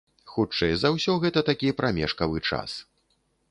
Хутчэй за ўсё, гэта такі прамежкавы час.